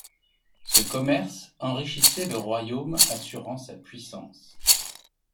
Ce commerce enrichissait le royaume, assurant sa puissance.